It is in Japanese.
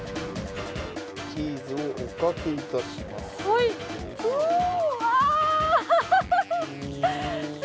チーズをおかけいたします。